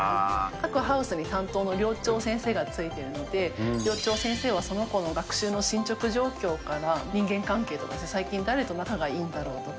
各ハウスに担当の寮長先生がついてるので、寮長先生はその子の学習の進捗状況から人間関係とか、最近誰と仲がいいんだろうとか？